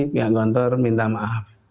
pihak gontor minta maaf